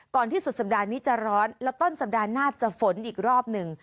ที่สุดสัปดาห์นี้จะร้อนแล้วต้นสัปดาห์หน้าจะฝนอีกรอบหนึ่ง